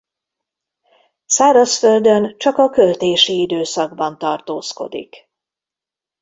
Szárazföldön csak a költési időszakban tartózkodik.